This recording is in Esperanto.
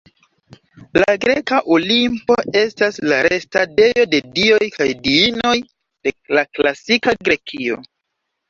La greka Olimpo estas la restadejo de dioj kaj diinoj de la klasika Grekio.